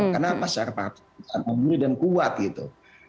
karena masyarakat memilih dan kuat gitu